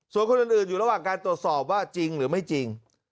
ส่วนคนอื่นอยู่ระหว่างการตรวจสอบว่าจริงหรือไม่จริง